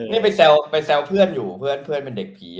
นี่ไปแซวเพื่อนอยู่เพื่อนเป็นเด็กผี